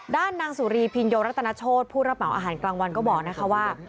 นางสุรีพิญโยรัตนโชธผู้รับเหมาอาหารกลางวันก็บอกนะคะว่า